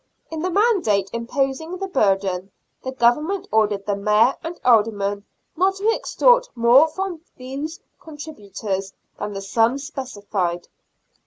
In the mandate imposing the burden the Government ordered the Mayor and Aldermen not to extort more from those contributories than the sums specified.